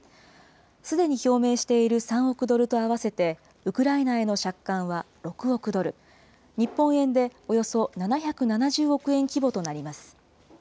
すでに表明している３億ドルと合わせて、ウクライナへの借款は６億ドル、日本円でおよそ７７０億円規模となります。